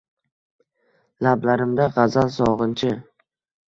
Lablarimda gʼazal sogʼinchi.